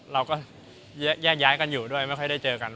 เราก็แยกย้ายกันอยู่ด้วยไม่ค่อยได้เจอกัน